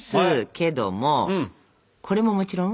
けどもこれももちろん？